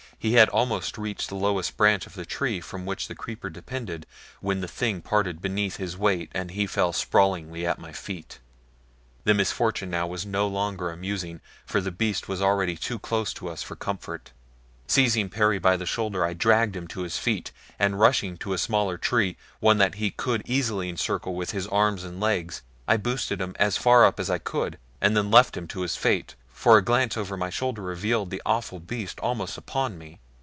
He had almost reached the lowest branch of the tree from which the creeper depended when the thing parted beneath his weight and he fell sprawling at my feet. The misfortune now was no longer amusing, for the beast was already too close to us for comfort. Seizing Perry by the shoulder I dragged him to his feet, and rushing to a smaller tree one that he could easily encircle with his arms and legs I boosted him as far up as I could, and then left him to his fate, for a glance over my shoulder revealed the awful beast almost upon me.